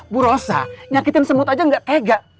bu rosa nyakitin semut aja nggak tega